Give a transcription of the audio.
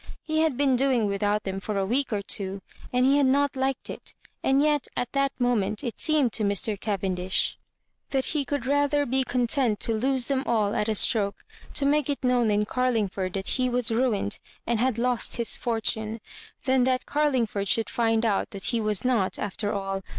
He had been dofaig without them for a week or two, and he had not liked it ; and yet at that moment it seemed to Mr. Cavendish that he could rather be content to lose them all at a stroke, to make it known in Carlingford that he was ruined and had lost his fortune, than tnat Car lingford should find out that he was not, after all.